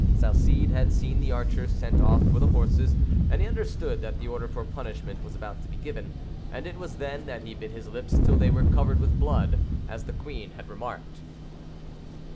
Salcede had seen the archers sent off for the horses, and he understood that the order for punishment was about to be given, and it was then that he bit his lips till they were covered with blood, as the queen had remarked.